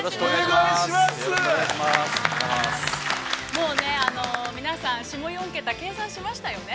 ◆もうね、皆さん下４桁、計算しましたよね。